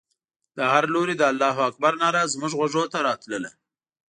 د هرې لور نه د الله اکبر ناره زموږ غوږو ته راتلله.